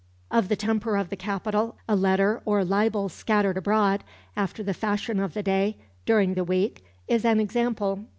Of the temper of the capital a letter or libel scattered abroad, after the fashion of the day, during the week, is an example.